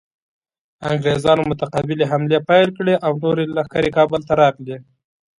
انګریزانو متقابلې حملې پیل کړې او نورې لښکرې کابل ته راغلې.